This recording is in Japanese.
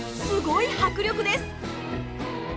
すごい迫力です！